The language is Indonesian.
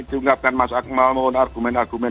diungkapkan mas akmal mohon argumen argumen